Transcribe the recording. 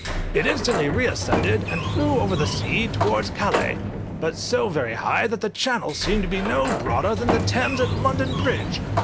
It instantly reascended and flew over the sea towards Calais, but so very high that the Channel seemed to be no broader than the Thames at London Bridge.